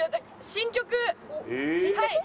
新曲？